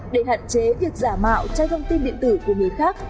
để hạn chế việc giả mạo trang thông tin điện tử của người khác